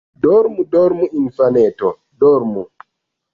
Dormu, dormu, infaneto, Dormu!